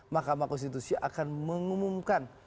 mahkamah konstitusi akan mengumumkan